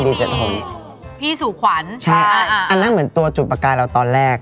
พี่สุขวัญใช่อันนั้นเหมือนตัวจุดประกายเราตอนแรก